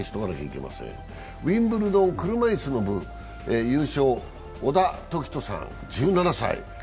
ウィンブルドン車いすの部、優勝、小田凱人さん１７歳。